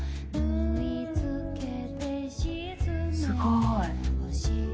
すごーい。